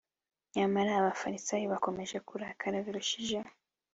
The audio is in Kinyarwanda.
. Nyamara Abafarisayo bakomeje kurakara biruseho.